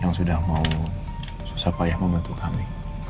yang sudah mau susah payah membantu kami